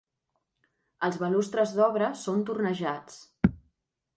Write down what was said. Els balustres d'obra són tornejats.